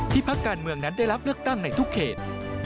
พักการเมืองนั้นได้รับเลือกตั้งในทุกเขต